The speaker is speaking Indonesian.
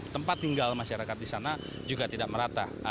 tempat tinggal masyarakat di sana juga tidak merata